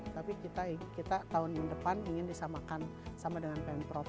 tapi kita tahun depan ingin disamakan sama dengan pemprov